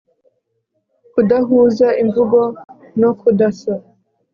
kudahuza imvugo no kudasa